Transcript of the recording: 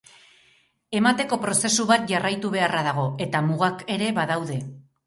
Emateko prozesu bat jarraitu beharra dago eta mugak ere badaude.